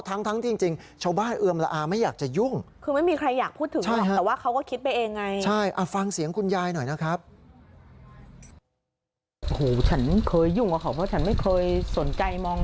ทั้งจริงชาวบ้าเอือมละอาไม่อยากจะยุ่ง